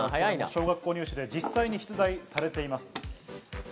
小学校入試で実際に出題されています。